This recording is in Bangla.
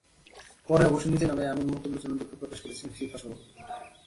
পরে অবশ্য নিজের এমন মন্তব্যের জন্য দুঃখ প্রকাশ করেছেন ফিফা সভাপতি।